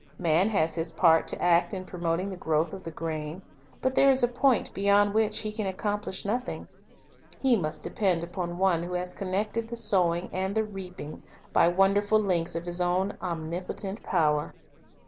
Man has his part to act in promoting the growth of the grain; but there is a point beyond which he can accomplish nothing. He must depend upon One who has connected the sowing and the reaping by wonderful links of His own omnipotent power.